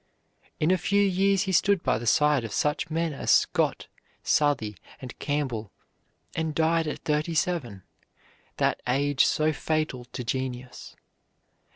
In a few years he stood by the side of such men as Scott, Southey, and Campbell, and died at thirty seven, that age so fatal to genius.